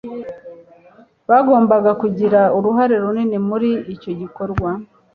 bagomba kugira uruhare runini muri icyo gikorwa